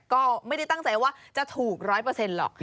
ก็ไม่ได้ตั้งใจว่าจะถูกร้อยเปอร์เซ็นต์หรอก